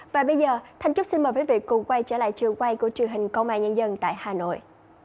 và bây giờ thanh trúc xin mời quý vị cùng quay trở lại trường quay của truyền hình công an nhân dân tại hà nội